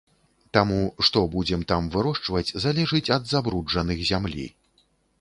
Таму, што будзем там вырошчваць, залежыць ад забруджаных зямлі.